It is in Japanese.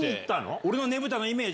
俺のねぶたのイメージ。